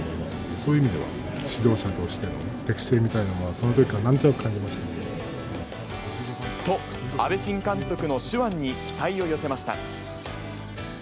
そういう意味では、指導者としての適性みたいなものは、そのときからなんとなく感じと、阿部新監督の手腕に期待を寄せました。